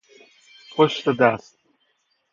پشت دست